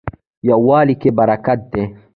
یووالي کې برکت دی